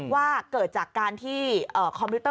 ว่าเกิดจากการที่คอมพิวเต